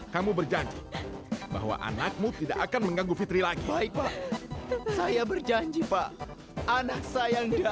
sampai jumpa di video selanjutnya